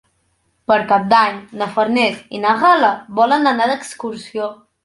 Per Cap d'Any na Farners i na Gal·la volen anar d'excursió.